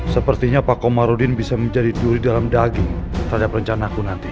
sepertinya pak komarudin bisa menjadi juri dalam daging terhadap rencana aku nanti